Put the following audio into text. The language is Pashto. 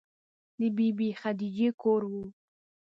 د بې بي خدیجې کور و.